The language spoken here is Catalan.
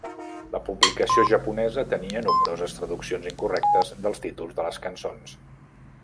La publicació japonesa tenia nombroses traduccions incorrectes dels títols de les cançons.